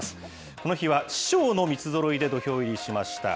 この日は師匠の三つぞろいで土俵入りしました。